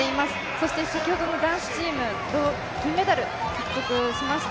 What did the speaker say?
そして先ほどの男子チーム、銀メダル獲得しました。